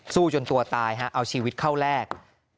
สู้จนตัวตายฮะเอาชีวิตเข้าแรก